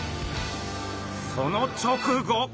その直後。